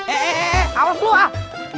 eh eh eh awas dulu ah